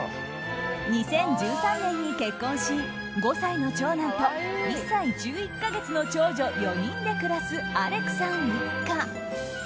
２０１３年に結婚し５歳の長男と１歳１１か月の長女４人で暮らすアレクさん一家。